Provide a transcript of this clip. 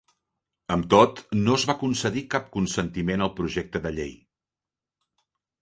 Amb tot, no es va concedir cap consentiment al projecte de llei.